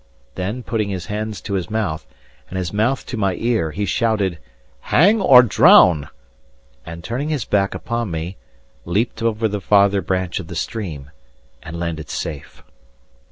Then, putting his hands to his mouth, and his mouth to my ear, he shouted, "Hang or drown!" and turning his back upon me, leaped over the farther branch of the stream, and landed safe.